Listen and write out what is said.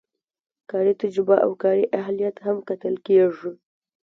کاري تجربه او کاري اهلیت هم کتل کیږي.